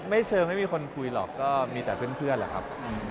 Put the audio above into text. ไม่เชิงไม่มีคนคุยหรอกก็ต่อเพื่อนเลยครับ